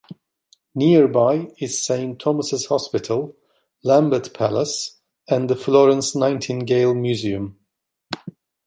Nearby is Saint Thomas' Hospital, Lambeth Palace and the Florence Nightingale Museum.